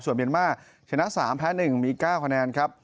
ส่วนเมียนมาร์ชนะ๓แพ้๑มี๙คะแนนครับ